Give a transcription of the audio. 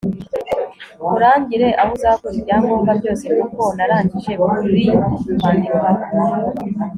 nkurangire aho uzakura ibyangombwa byose kuko narangije kubikwandikaho